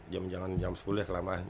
jangan jam sepuluh ya kelamaan